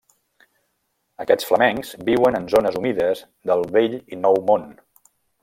Aquests flamencs viuen en zones humides del Vell i Nou Mon.